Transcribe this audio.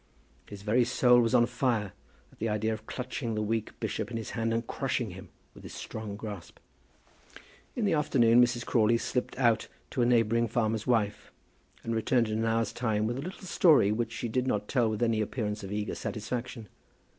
His very soul was on fire at the idea of clutching the weak bishop in his hand, and crushing him with his strong grasp. In the afternoon Mrs. Crawley slipped out to a neighbouring farmer's wife, and returned in an hour's time with a little story which she did not tell with any appearance of eager satisfaction.